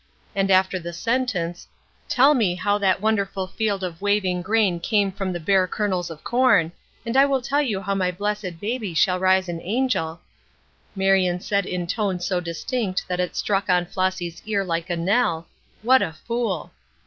And after the sentence, "Tell me how that wonderful field of waving grain came from the bare kernels of corn, and I will tell you how my blessed baby shall rise an angel," Marion said in tone so distinct that it struck on Flossy's ear like a knell, "What a fool!"